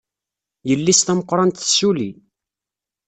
Yelli-s tameqrant tessulli.